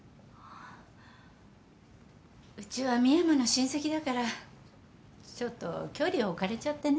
うちは深山の親戚だからちょっと距離置かれちゃってね。